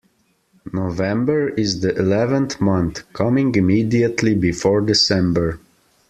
November is the eleventh month, coming immediately before December